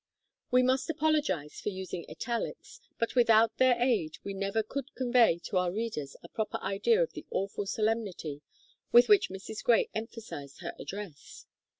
We must apologize for using italics, but without their aid we never could convey to our readers a proper idea of the awful solemnity with which Mrs. Gray emphasized her address.